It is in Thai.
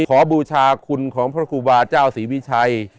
ขอบูชาคุณของพระคุณพระเจ้าสีวิชัย